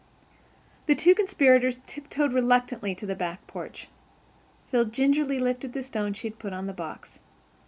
The two conspirators tip toed reluctantly to the back porch. Phil gingerly lifted the stone she had put on the box.